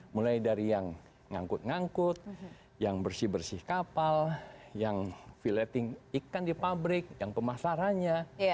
mulai dari yang ngangkut ngangkut yang bersih bersih kapal yang filleting ikan di pabrik yang pemasarannya